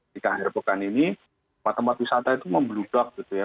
jika akhir pekan ini tempat tempat wisata itu membludak gitu ya